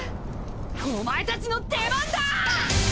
お前たちの出番だ！